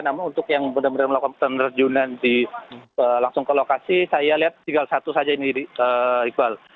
namun untuk yang benar benar melakukan penerjunan langsung ke lokasi saya lihat tinggal satu saja ini iqbal